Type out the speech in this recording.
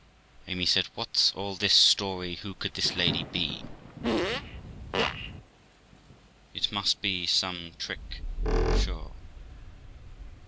Amy said, 'What's all this story? Who could this lady be? It must be some trick, sure.'